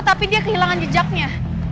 tapi dia kehilangan jejaknya